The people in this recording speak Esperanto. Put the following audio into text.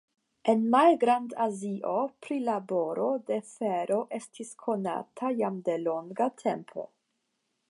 En Malgrand-Azio prilaboro de fero estis konata jam de longa tempo.